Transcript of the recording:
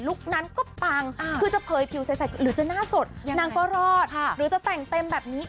นั้นก็ปังคือจะเผยผิวใสหรือจะหน้าสดนางก็รอดหรือจะแต่งเต็มแบบนี้